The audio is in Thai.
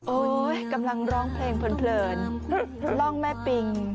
กำลังร้องเพลงเพลินร่องแม่ปิง